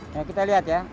nah kita lihat ya